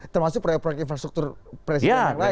termasuk proyek proyek infrastruktur presiden yang lain